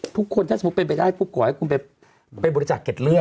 ทุกคนมันไปไอผู้ก่อให้กลุ่มไปบริจาคกรีตเลือด